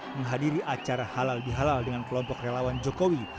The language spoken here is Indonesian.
menghadiri acara halal di halal dengan kelompok relawan jokowi